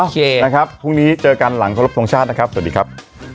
นะครับพรุ่งนี้เจอกันหลังครบทรงชาตินะครับสวัสดีครับ